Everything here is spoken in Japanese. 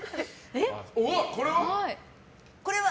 これは？